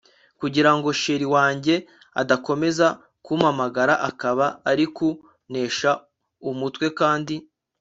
kugira ngo Chr wanjye adakomeza kumpamagara akaba ari ku ntesha umutwe kandi